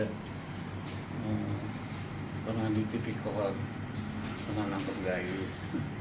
karena dirtipikor penanam pergayis